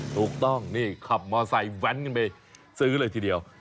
ถูกต้องนี่ขับมอไซคแว้นกันไปซื้อเลยทีเดียว